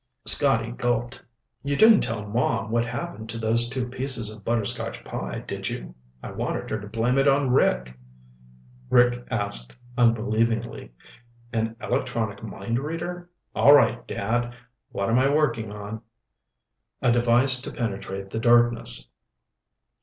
Scotty gulped. "You didn't tell Mom what happened to those two pieces of butterscotch pie, did you? I wanted her to blame it on Rick." Rick asked unbelievingly, "An electronic mind reader? All right, Dad, what am I working on?" "A device to penetrate the darkness."